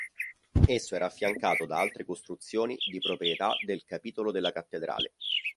Esso era affiancato da altre costruzioni di proprietà del Capitolo della Cattedrale.